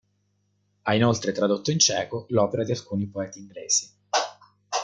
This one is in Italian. Ha inoltre tradotto in ceco l'opera di alcuni poeti inglesi.